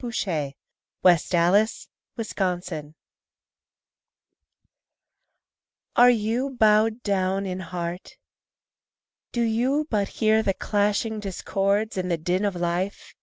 DEEP IN THE QUIET WOOD Are you bowed down in heart? Do you but hear the clashing discords and the din of life?